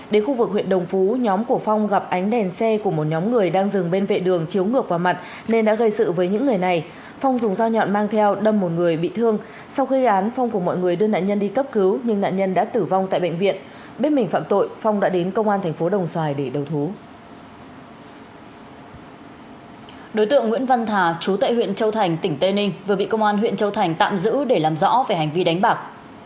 đối tượng nguyễn văn thà chú tại huyện châu thành tỉnh tây ninh vừa bị công an huyện châu thành tạm giữ để làm rõ về hành vi đánh bạc